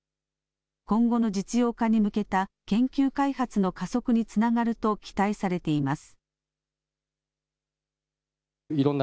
今後の実用化に向けた研究開発の加速につながると期待されています。